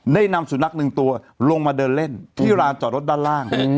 ได้นำสุนัขหนึ่งตัวลงมาเดินเล่นที่ร้านจอดรถด้านล่าง